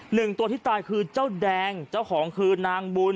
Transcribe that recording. หนึ่งตัวที่ตายคือเจ้าแดงเจ้าของคือนางบุญ